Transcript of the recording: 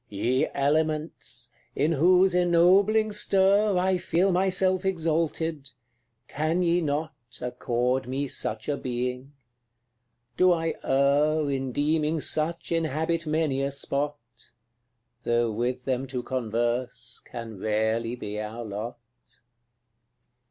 Ye Elements! in whose ennobling stir I feel myself exalted can ye not Accord me such a being? Do I err In deeming such inhabit many a spot? Though with them to converse can rarely be our lot.